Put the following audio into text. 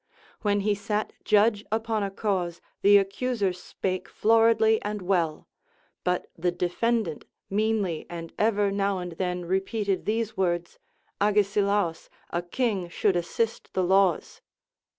When he sat judge upon a cause, the accuser spake floridly and well ; but the defendant meanly and ever now and then repeated these words, Agesilaus, a king should assist the laws.